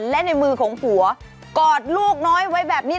และในมือของผัวกอดลูกน้อยไว้แบบนี้